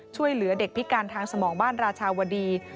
ช่วยเหลือเด็กพิการทางสมองบ้านราชาวดี